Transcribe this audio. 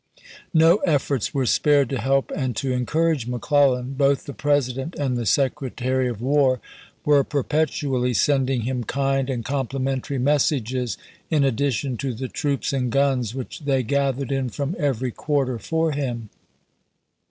No efforts were spared to help p. Wi. and to encourage McClellan; both the President 418 414 ABRAHAM LINCOLN ch. XXIII. and the Secretary of War were perpetually sending him kind and complimentary messages in addition to the troops and guns which they gathered in from every quarter for him.